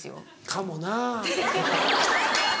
かもな。